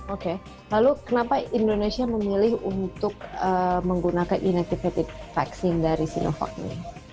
oke lalu kenapa indonesia memilih untuk menggunakan inactivated vaksin dari sinovac ini